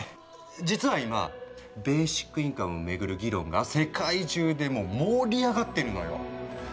実は今ベーシックインカムをめぐる議論が世界中でも盛り上がってるのよ。